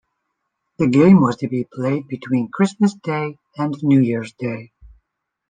The game was to be played between Christmas Day and New Year's Day.